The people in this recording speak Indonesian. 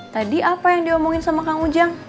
tadi apa yang diomongin sama kang ujang